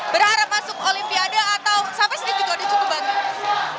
berharap masuk olimpiade atau sampai sekarang juga ada cukup bagus